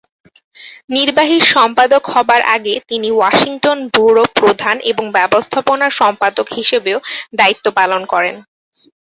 নির্বাহী সম্পাদক হবার আগে তিনি ওয়াশিংটন ব্যুরো প্রধান এবং ব্যবস্থাপনা সম্পাদক হিসেবেও দায়িত্ব পালন করেন।